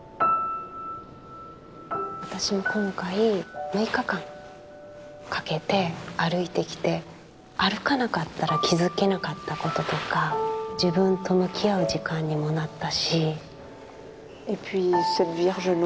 私も今回６日間かけて歩いてきて歩かなかったら気付けなかったこととか自分と向き合う時間にもなったし。